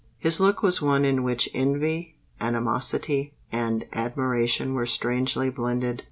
His look was one in which envy, animosity, and admiration were strangely blended.